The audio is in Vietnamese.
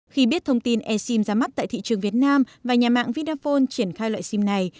khi biết thông tin e sim ra mắt tại thị trường việt nam và nhà mạng vitaphone triển khai loại sim này